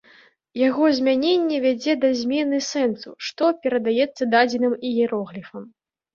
Яго змяненне вядзе да змены сэнсу, што перадаецца дадзеным іерогліфам.